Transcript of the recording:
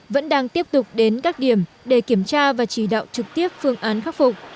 vẫn đang tiếp tục đến các điểm để kiểm tra và chỉ đạo trực tiếp phương án khắc phục